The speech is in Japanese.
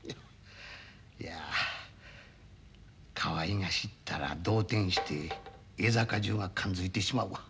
いや河合が知ったら動転して江坂中が勘づいてしまうわ。